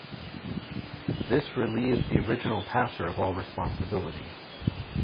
This relieves the original passer of all responsibility.